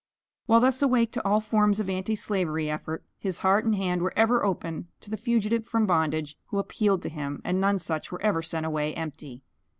While thus awake to all forms of anti slavery effort, his heart and hand were ever open to the fugitive from bondage, who appealed to him, and none such were ever sent away empty.